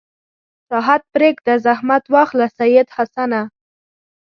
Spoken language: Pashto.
راحت پرېږده زحمت واخله سید حسنه.